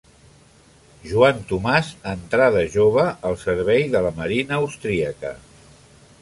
Joan Tomàs entrà de jove al servei de la marina austríaca.